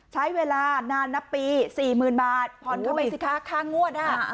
ใช้เวลานานนับปี๔๐๐๐บาทผ่อนเข้าไปสิคะค่างวด